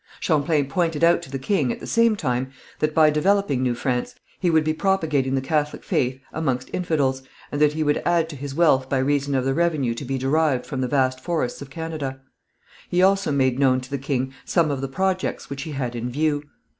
Champlain pointed out to the king, at the same time, that by developing New France, he would be propagating the Catholic faith amongst infidels, and that he would add to his wealth by reason of the revenue to be derived from the vast forests of Canada. He also made known to the king some of the projects which he had in view.